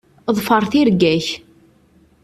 Ḍfeṛ tirga-k.